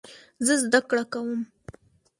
زه زده کړه کوم.